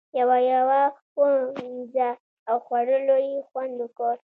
یوه یوه مو ووینځله او خوړلو یې خوند وکړ.